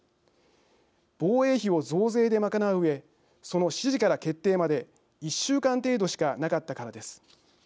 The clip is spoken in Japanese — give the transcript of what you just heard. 防衛費を増税で賄ううえその指示から決定まで１週間程度しかなかったからです。